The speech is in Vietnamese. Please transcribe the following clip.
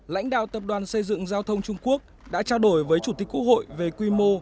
lãnh đạo tập đoàn xây dựng giao thông trung quốc đã trao đổi với chủ tịch quốc hội về quy mô